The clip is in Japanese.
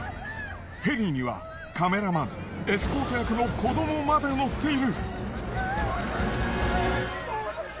ヘリにはカメラマンエスコート役の子どもまで乗っている。